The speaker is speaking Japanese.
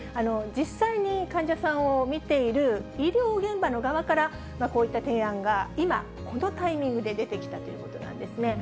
実際に患者さんを診ている医療現場の側から、こういった提案が今、このタイミングで出てきたということなんですね。